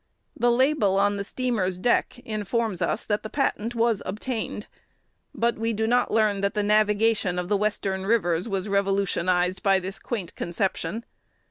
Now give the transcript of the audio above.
The label on the steamer's deck informs us that the patent was obtained; but we do not learn that the navigation of the Western rivers was revolutionized by this quaint conception.